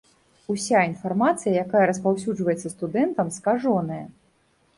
Уся інфармацыя, якая распаўсюджваецца студэнтам, скажоная.